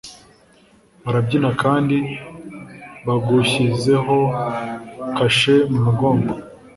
Barabyina kandi bagushyizeho kashe mu mugongo.